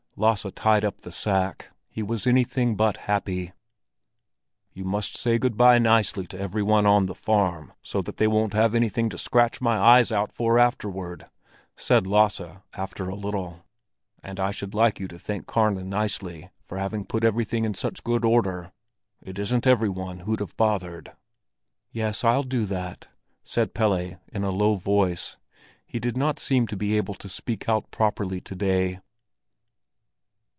Lasse tied up the sack; he was anything but happy. "You must say good bye nicely to every one on the farm, so that they won't have anything to scratch my eyes out for afterward," said Lasse after a little. "And I should like you to thank Karna nicely for having put everything in such good order. It isn't every one who'd have bothered." "Yes, I'll do that," said Pelle in a low voice. He did not seem to be able to speak out properly to day.